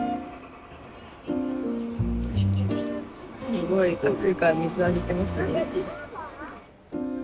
すごい暑いから水浴びてますよ。